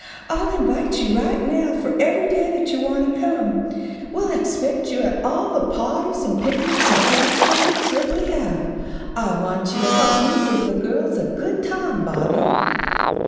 I'll invite you right now for every day that you want to come. We'll expect you at all the pahties and picnics and candy pullin's that we have. I want you to help me give the girls a good time, Bobby."